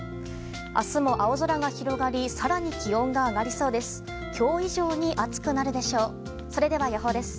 明日も青空が広がり更に気温が上がりそうです。